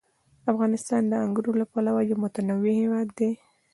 افغانستان د انګورو له پلوه یو متنوع هېواد دی.